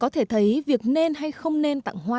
có thể thấy việc nên hay không nên tặng hoa